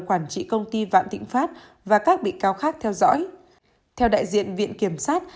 quản trị công ty vạn thịnh pháp và các bị cáo khác theo dõi theo đại diện viện kiểm sát